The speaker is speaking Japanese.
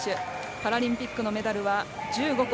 パラリンピックのメダルは１５個。